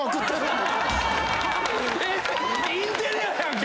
インテリアやんけ！